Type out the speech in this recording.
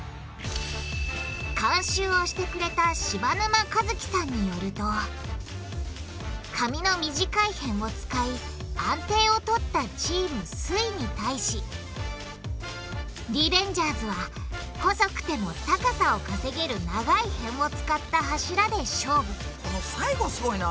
監修をしてくれた柴沼一樹さんによると紙の短い辺を使い安定をとったチームすイに対しリベンジャーズは細くても高さを稼げる長い辺を使った柱で勝負この最後すごいな！